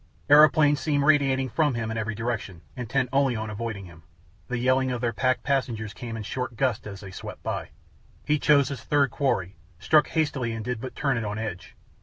Aeroplanes seemed radiating from him in every direction, intent only upon avoiding him, the yelling of their packed passengers came in short gusts as they swept by. He chose his third quarry, struck hastily and did but turn it on edge.